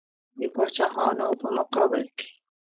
د پاچاهانو په مقابل کې.